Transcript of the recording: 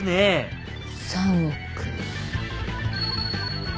３億。